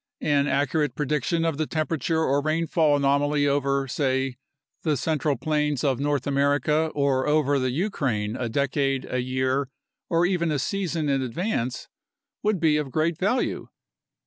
An accurate prediction of the temperature or rainfall anomaly over, say, the central plains of North America or over the Ukraine a decade, a year, or even a season in advance would be of great value.